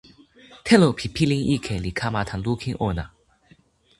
telo pi pilin ike li kama tan lukin ona.